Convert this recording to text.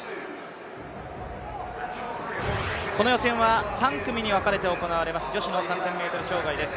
この予選は３組に分かれて行われます、女子の３０００ｍ障害です。